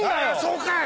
そうかい！